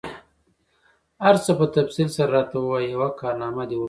هر څه په تفصیل سره راته ووایه، یوه کارنامه دي وکړل؟